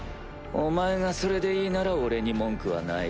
お前がそれでいいなら俺に文句はない。